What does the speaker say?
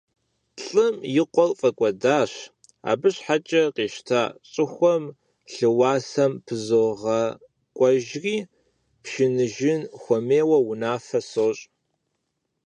Лӏым и къуэр фӀэкӀуэдащ, абы щхьэкӀэ къищта щӀыхуэр лъыуасэм пызогъакӀуэжри, пшыныжын хуемейуэ унафэ сощӏ!